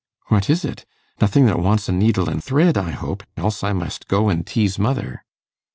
'What is it? Nothing that wants a needle and thread, I hope, else I must go and tease mother.